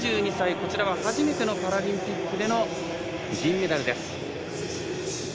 こちらは初めてのパラリンピックでの銀メダルです。